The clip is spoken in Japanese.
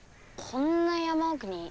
こんな山奥にお寺？